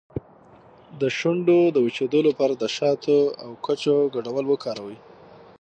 د شونډو د وچیدو لپاره د شاتو او کوچو ګډول وکاروئ